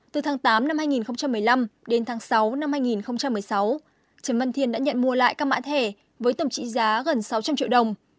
từ tháng tám năm hai nghìn một mươi năm đến tháng sáu năm hai nghìn một mươi sáu trần văn thiên đã nhận mua lại các mã thẻ với tổng trị giá gần sáu trăm linh triệu đồng